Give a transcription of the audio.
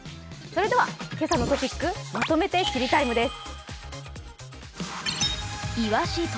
「けさのトピックまとめて知りＴＩＭＥ，」です。